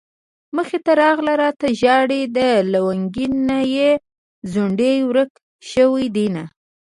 مخې ته راغله راته ژاړي د لونګين نه يې ځونډي ورک شوي دينه